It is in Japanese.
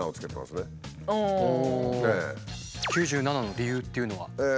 「９７」の理由っていうのは？